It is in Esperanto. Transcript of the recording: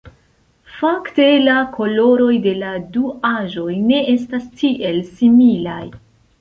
Fakte la koloroj de la du aĵoj ne estas tiel similaj.